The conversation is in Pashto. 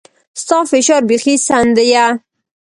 ستا فشار بيخي سم ديه.